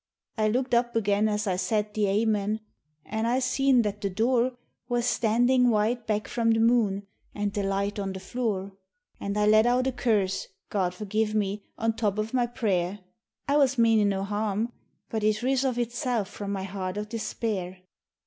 I looked up again as I said the amen, an' I seen that the dure Was standin' wide back from the moon, an' the light on the flure, An' I let out a curse, God forgive me, on top o' my prayer, I was manin' no harm, but it riz of itself from my heart o' despair.